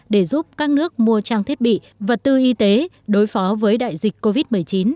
để giúp các nước mua trang thiết bị vật tư y tế đối phó với đại dịch covid một mươi chín